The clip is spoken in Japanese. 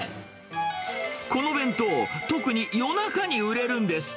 この弁当、特に夜中に売れるんです。